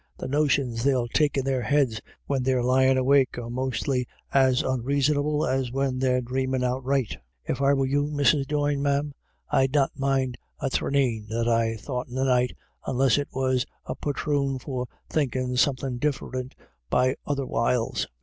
The notions they'll take in their heads when they're lyin' awake are mostly as onraisonable as when they're dramin' outright If I were you, Mrs. Doyne, ma'am, I'd not mind a thraneen what I thought in the nights, onless it was as a pattron for thinkin' somethin' diffrint by otherwhiles.